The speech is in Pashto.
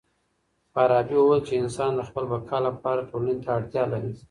فارابي وويل چي انسان د خپل بقا لپاره ټولني ته اړتيا لري.